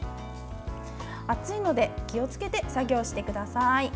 熱いので気をつけて作業してください。